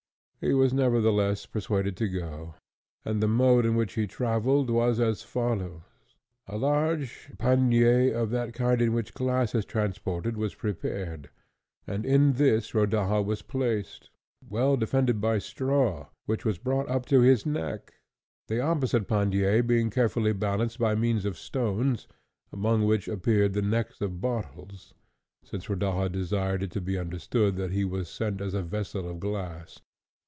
He was nevertheless persuaded to go, and the mode in which he travelled was as follows: a large pannier of that kind in which glass is transported was prepared, and in this Rodaja was placed, well defended by straw, which was brought up to his neck, the opposite pannier being carefully balanced by means of stones, among which appeared the necks of bottles, since Rodaja desired it to be understood that he was sent as a vessel of glass.